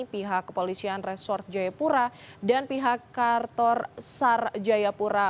pihak kepolisian resort jayapura dan pihak kartor sar jayapura